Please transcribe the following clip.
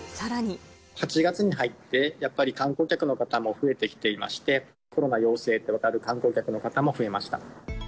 ８月に入って、やっぱり観光客の方も増えてきていまして、コロナ陽性となる観光客の方も増えました。